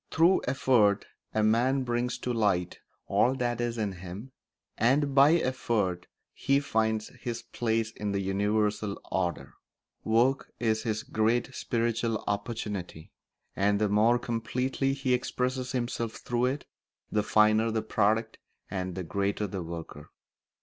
Through effort a man brings to light all that is in him, and by effort he finds his place in the universal order. Work is his great spiritual opportunity, and the more completely he expresses himself through it the finer the product and the greater the worker.